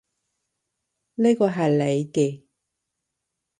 呢個係你嘅